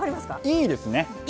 いいです！